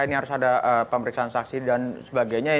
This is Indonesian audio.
ini harus ada pemeriksaan saksi dan sebagainya